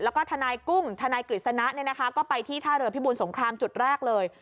แล้วก็ทนายกุ้งทนายกฤษณะก็ไปที่ท่าเรือพิบูรสงครามจุดแรกเลย